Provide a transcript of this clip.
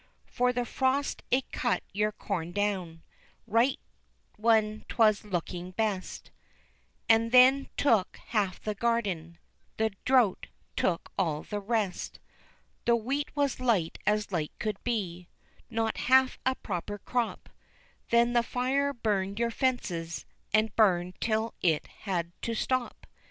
For the frost it cut your corn down, Right when 'twas looking best, And then took half the garden, The drouth took all the rest. The wheat was light as light could be, Not half a proper crop, Then the fire burned your fences, And burned till it had to stop.